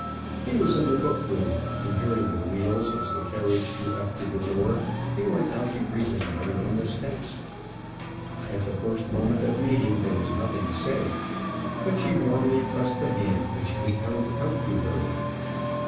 He was in the book room, and hearing the wheels, as the carriage drew up to the door, he went out to greet his mother on the steps. At the first moment of meeting there was nothing said, but she warmly pressed the hand which he held out to her.